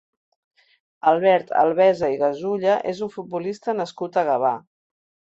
Albert Albesa i Gasulla és un futbolista nascut a Gavà.